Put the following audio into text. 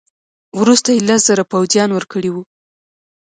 وروسته یې لس زره پوځیان ورکړي وه.